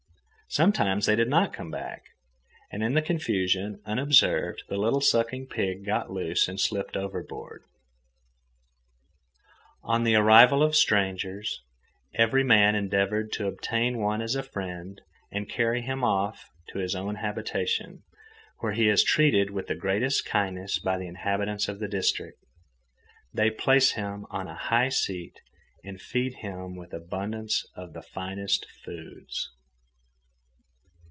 Sometimes they did not come back. And in the confusion, unobserved, the little sucking pig got loose and slipped overboard. "On the arrival of strangers, every man endeavoured to obtain one as a friend and carry him off to his own habitation, where he is treated with the greatest kindness by the inhabitants of the district: they place him on a high seat and feed him with abundance of the finest foods."